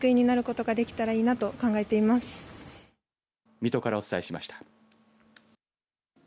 水戸からお伝えしました。